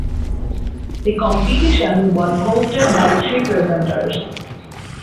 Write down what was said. The competition was hosted by three presenters.